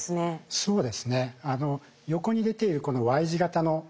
そうです。